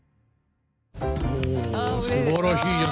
おすばらしいじゃないですか。